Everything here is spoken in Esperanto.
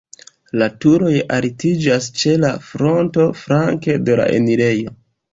La turoj altiĝas ĉe la fronto flanke de la enirejo.